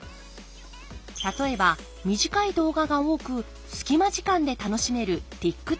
例えば短い動画が多く隙間時間で楽しめるＴｉｋＴｏｋ。